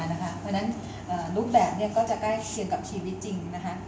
เพราะฉะนั้นรูปแบบก็จะใกล้เคียงกับชีวิตจริงนะคะ